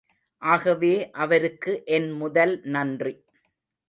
ஆகவே அவருக்கு என் முதல் நன்றி.